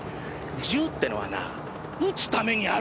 銃ってのはな撃つためにあるんだよ！